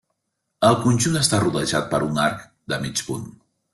El conjunt està rodejat per un arc de mig punt.